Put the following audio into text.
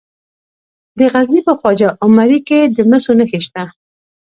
د غزني په خواجه عمري کې د مسو نښې شته.